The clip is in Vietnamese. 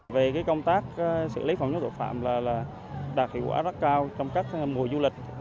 về công tác xử lý phòng chống tội phạm là đạt hiệu quả rất cao trong các mùa du lịch